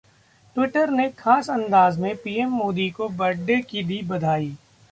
Twitter ने खास अंदाज में पीएम मोदी को बर्थडे की दी बधाई